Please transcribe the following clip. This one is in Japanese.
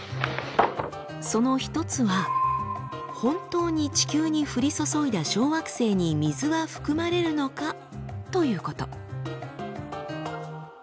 その一つは本当に地球に降り注いだ小惑星に水は含まれるのかということ。